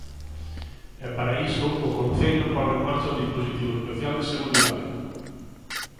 E para iso, o Concello pon en marcha un dispositivo especial de seguridade.